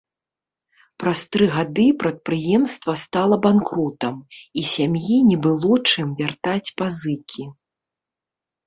Праз тры гады прадпрыемства стала банкрутам, і сям'і не было чым вяртаць пазыкі.